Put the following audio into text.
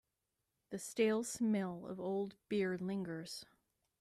The stale smell of old beer lingers.